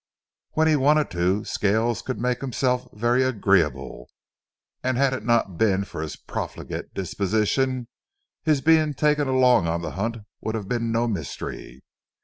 When he wanted to, Scales could make himself very agreeable, and had it not been for his profligate disposition, his being taken along on the hunt would have been no mystery.